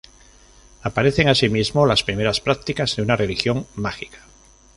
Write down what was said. Aparecen, asimismo, las primeras prácticas de una religión mágica.